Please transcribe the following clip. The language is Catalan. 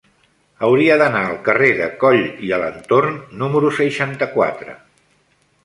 Hauria d'anar al carrer de Coll i Alentorn número seixanta-quatre.